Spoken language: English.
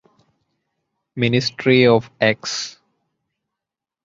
Ministry of Ex.